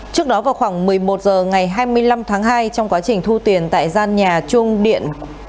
trước đó vào khoảng một mươi một h ngày hai mươi năm tháng hai trong quá trình thu tiền tại gian nhà trung điện